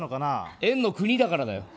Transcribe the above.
円の国だからだよ。